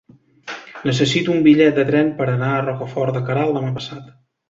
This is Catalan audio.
Necessito un bitllet de tren per anar a Rocafort de Queralt demà passat.